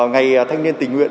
ngày thanh niên tình nguyện